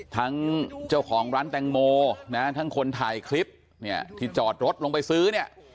ทั้งเจ้าของร้านแต่งโม๋ทั้งคนถ่ายคลิปที่จอดรถลงไปซื้อ